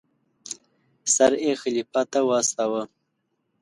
سر یې خلیفه ته واستاوه.